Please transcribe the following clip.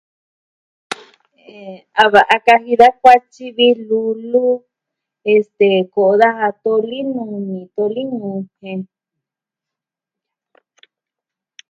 A va'a kaji da kuatyi vi lulu, este, ko'o daja tolinuni, toli ñujien.